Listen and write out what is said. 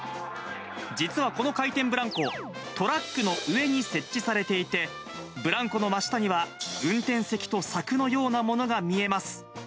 実はこの回転ブランコ、トラックの上に設置されていて、ブランコの真下には、運転席と柵のようなものが見えます。